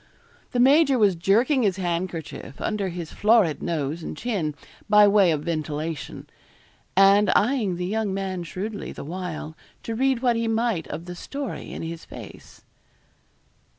The major was jerking his handkerchief under his florid nose and chin, by way of ventilation; and eyeing the young man shrewdly the while, to read what he might of the story in his face.